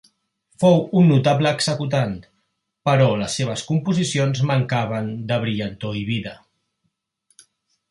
Fou un notable executant, però les seves composicions mancaven de brillantor i vida.